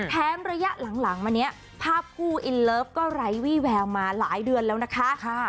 ระยะหลังมาเนี่ยภาพคู่อินเลิฟก็ไร้วี่แววมาหลายเดือนแล้วนะคะ